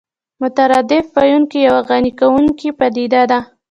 مترادف ويونه يوه غني کوونکې پدیده